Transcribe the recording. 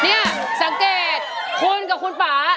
นี่สังเกตคุณกับคุณป่า